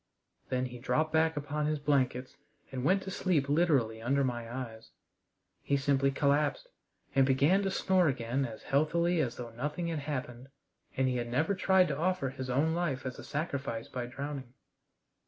Then he dropped back upon his blankets and went to sleep literally under my eyes. He simply collapsed, and began to snore again as healthily as though nothing had happened and he had never tried to offer his own life as a sacrifice by drowning.